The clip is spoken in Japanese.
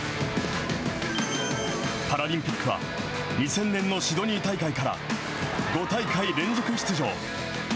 パラリンピックは２０００年のシドニー大会から５大会連続出場。